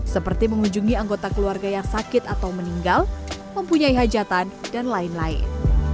seperti mengunjungi anggota keluarga yang sakit atau meninggal mempunyai hajatan dan lain lain